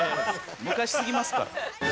昔すぎますから。